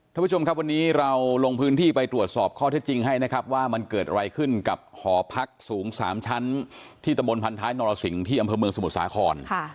ท่านผู้ชมครับวันนี้เราลงพื้นที่ไปตรวจสอบข้อเท็จจริงให้นะครับว่ามันเกิดอะไรขึ้นกับหอพักสูง๓ชั้นที่ตะบนพันท้ายนรสิงที่อำเภอเมืองสมุทรสาคร